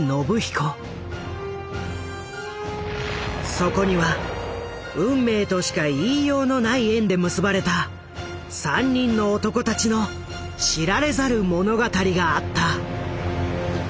そこには運命としか言いようのない縁で結ばれた３人の男たちの知られざる物語があった。